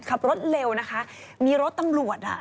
ขับรถเร็วนะคะมีรถตำรวจอ่ะ